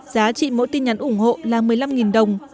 giá trị mỗi tin nhắn ủng hộ là một mươi năm đồng